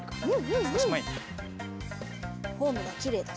フォームがきれいだぞ。